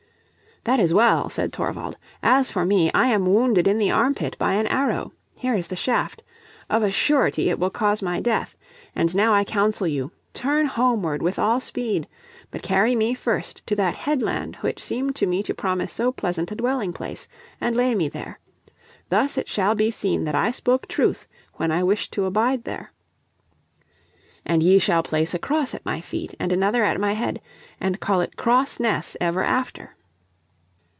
"That is well, " said Thorvald. "As for me, I am wounded in the armpit by an arrow. Here is the shaft. Of a surety it will cause my death. And now I counsel you, turn homeward with all speed. But carry me first to that headland which seemed to me to promise so pleasant a dwelling place, and lay me there. Thus it shall be seen that I spoke truth when I wished to abide there. And ye shall place a cross at my feet, and another at my head, and call it Cross Ness ever after."